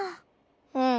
うん。